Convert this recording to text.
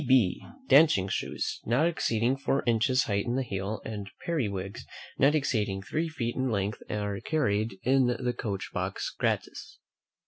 N.B. Dancing shoes, not exceeding four inches height in the heel, and periwigs, not exceeding three feet in length, are carried in the coach box gratis.